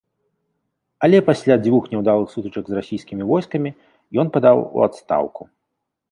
Але пасля дзвюх няўдалых сутычак з расійскімі войскамі ён падаў у адстаўку.